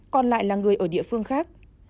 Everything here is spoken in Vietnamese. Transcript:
còn lại là người ở địa phương khác